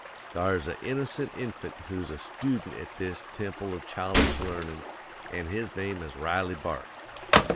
"'Thar's a innocent infant who's a stoodent at this temple of childish learnin' an' his name is Riley Bark.